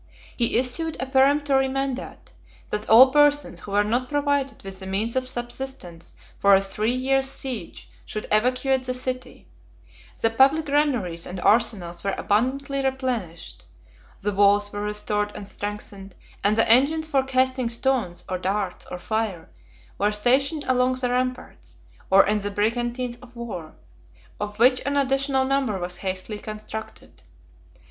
He issued a peremptory mandate, that all persons who were not provided with the means of subsistence for a three years' siege should evacuate the city: the public granaries and arsenals were abundantly replenished; the walls were restored and strengthened; and the engines for casting stones, or darts, or fire, were stationed along the ramparts, or in the brigantines of war, of which an additional number was hastily constructed.